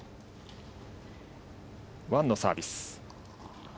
ワンのサービス。